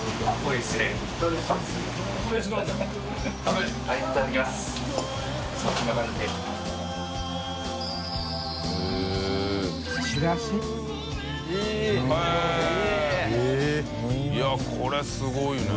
いこれすごいね。